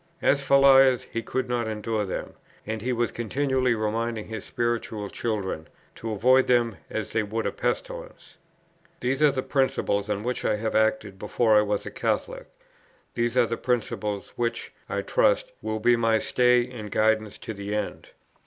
"As for liars, he could not endure them, and he was continually reminding his spiritual children, to avoid them as they would a pestilence." These are the principles on which I have acted before I was a Catholic; these are the principles which, I trust, will be my stay and guidance to the end.